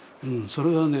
それはね